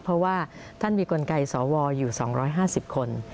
เพราะว่าท่านมีกลไกสวอยู่๒๕๐คน